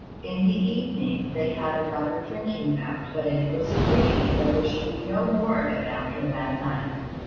In the evening they had another drinking bout, but it was agreed that there should be no more of it after that night.